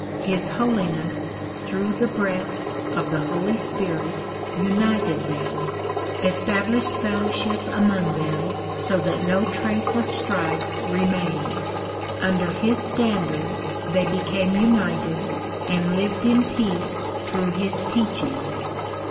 His Holiness, through the breaths of the Holy Spirit, united them, established fellowship among them so that no trace of strife remained. Under his standard they became united and lived in peace through his teachings.